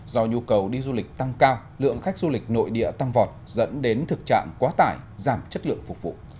do nhu cầu đi du lịch tăng cao lượng khách du lịch nội địa tăng vọt dẫn đến thực trạng quá tải giảm chất lượng phục vụ